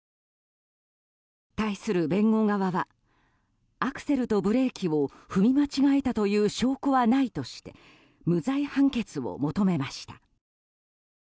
対する弁護側はアクセルとブレーキを踏み間違えたという証拠はないとして無罪判決を求めました。